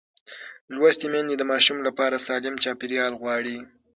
لوستې میندې د ماشوم لپاره سالم چاپېریال غواړي.